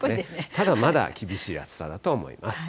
ただまだ厳しい暑さだと思います。